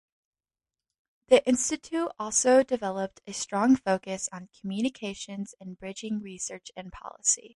The Institute also developed a strong focus on communications and 'bridging research and policy'.